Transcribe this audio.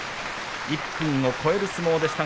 １分を超える相撲でした。